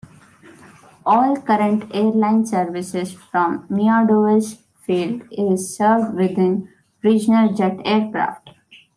All current airline service from Meadows Field is served with regional jet aircraft.